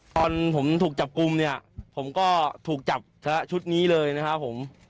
ตอนผมถูกจับกลุ่มเนี่ยผมก็ถูกจับชุดนี้เลยนะครับผม